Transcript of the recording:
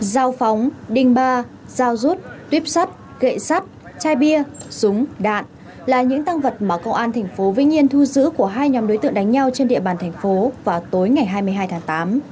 giao phóng đinh ba giao rút tuyếp sắt gậy sắt chai bia súng đạn là những tăng vật mà công an tp vĩnh yên thu giữ của hai nhóm đối tượng đánh nhau trên địa bàn tp vào tối ngày hai mươi hai tháng tám